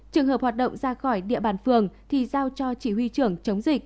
trường hợp hoạt động ra khỏi địa bàn phường thì giao cho chỉ huy trưởng chống dịch